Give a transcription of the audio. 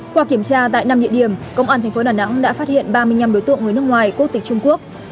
qua kiểm tra tại năm địa điểm công an tp đà nẵng đã phát hiện ba mươi năm đối tượng người nước ngoài quốc tịch trung quốc